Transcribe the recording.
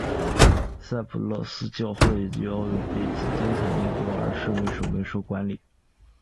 赛普勒斯教会被交由君士坦丁堡普世牧首管理。